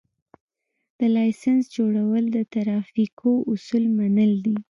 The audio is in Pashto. د لېسنس جوړول د ترافیکو اصول منل دي